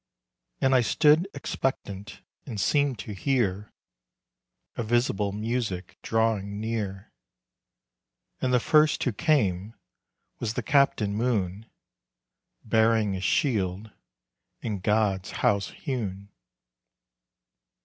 _ And I stood expectant and seemed to hear A visible music drawing near. And the first who came was the Captain Moon Bearing a shield in GOD'S House hewn.